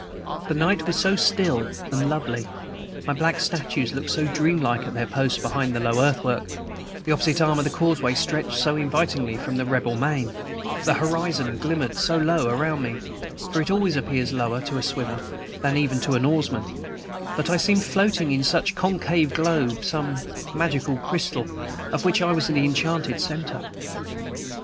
The night was so still and lovely, my black statues looked so dream like at their posts behind the low earthwork, the opposite arm of the causeway stretched so invitingly from the Rebel main, the horizon glimmered so low around me, for it always appears lower to a swimmer than even to an oarsman, that I seemed floating in some concave globe, some magic crystal, of which I was the enchanted centre.